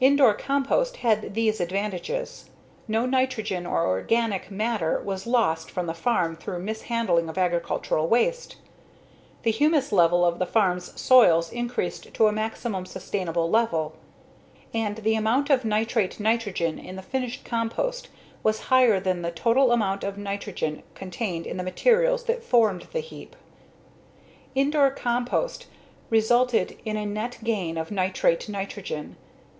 Indore compost had these advantages: no nitrogen or organic matter was lost from the farm through mishandling of agricultural wastes; the humus level of the farm's soils increased to a maximum sustainable level; and, _the amount of nitrate nitrogen in the finished compost was higher than the total amount of nitrogen contained in the materials that formed the heap._ Indore compost resulted in a net gain of nitrate nitrogen.